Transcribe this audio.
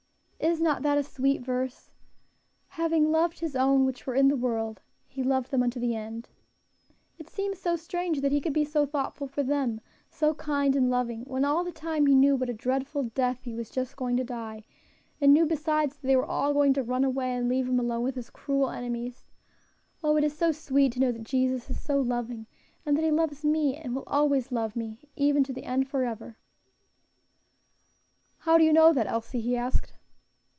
"Is not that a sweet verse, 'Having loved His own which were in the world, He loved them unto the end'? It seems so strange that He could be so thoughtful for them, so kind and loving, when all the time He knew what a dreadful death He was just going to die; and knew besides that they were all going to run away and leave Him alone with His cruel enemies. Oh! it is so sweet to know that Jesus is so loving, and that He loves me, and will always love me, even to the end, forever." "How do you know that, Elsie?" he asked.